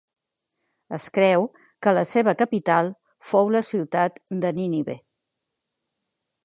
Es creu que la seva capital fou la ciutat de Nínive.